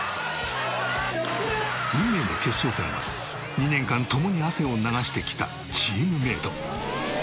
運命の決勝戦は２年間共に汗を流してきたチームメイト。